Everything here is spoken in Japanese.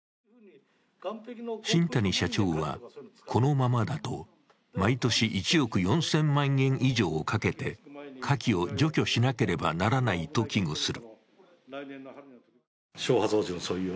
新谷社長はこのままだと毎年１億４０００万円以上かけてカキを除去しなければならないと危惧する。